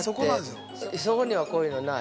◆そこにはこういうのない。